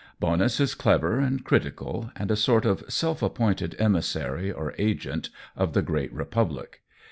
Bonus is clever and critical, and a sort of self appointed emissary or agent of the great republic.